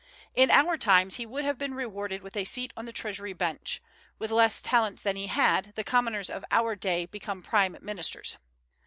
In our times he would have been rewarded with a seat on the treasury bench; with less talents than he had, the commoners of our day become prime ministers.